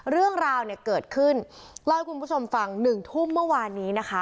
เรื่องราวเนี่ยเกิดขึ้นเล่าให้คุณผู้ชมฟังหนึ่งทุ่มเมื่อวานนี้นะคะ